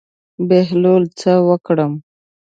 بهلوله څه وکړم.